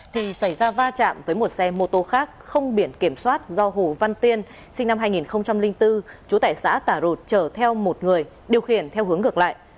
thì xảy ra va chạm với một xe mô tô khác không biển kiểm soát do hồ văn tiên sinh năm hai nghìn bốn chú tại xã tả rột chở theo một người điều khiển theo hướng ngược lại